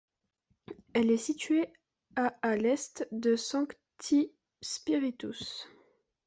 Elle est située à à l'est de Sancti Spíritus.